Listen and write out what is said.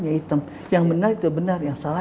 yang hitam yang benar itu benar yang salah